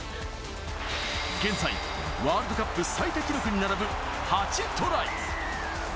現在、ワールドカップ最多記録に並ぶ８トライ。